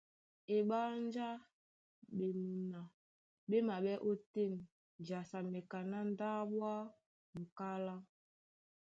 Eɓánjá ɓemuna ɓé maɓɛ́ ótên jasamɛ kaná ndáɓo a ́ mukálá.